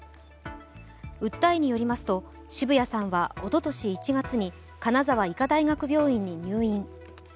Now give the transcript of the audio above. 訴えによりますと、澁谷さんはおととし１月に金沢医科大学病院に入院。